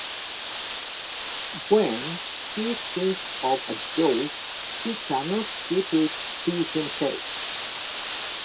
When he thinks of a joke, he cannot keep it to himself.